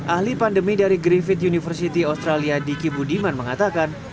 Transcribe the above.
ahli pandemi dari griffith university australia diki budiman mengatakan